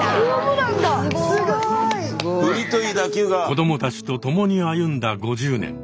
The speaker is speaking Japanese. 子どもたちと共に歩んだ５０年。